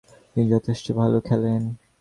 তিনি যথেষ্ট ভালো খেলেন।